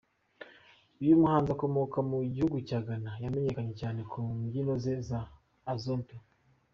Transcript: Uyu muhanzi ukomoka mu gihugu cya Ghana yamenyekanye cyane ku mbyino ze za Azonto.